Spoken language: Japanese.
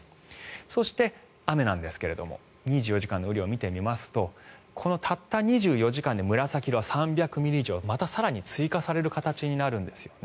そして、雨なんですが２４時間の雨量を見てみますとこのたった２４時間で紫色、３００ミリ以上また更に追加される形になるんですよね。